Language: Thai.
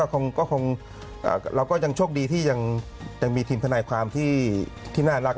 คงเราก็ยังโชคดีที่ยังมีทีมทนายความที่น่ารัก